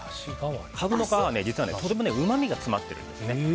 カブの皮は実はとてもうまみが詰まっているんですね。